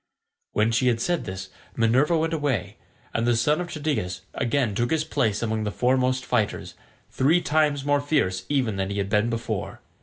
When she had said this Minerva went away, and the son of Tydeus again took his place among the foremost fighters, three times more fierce even than he had been before.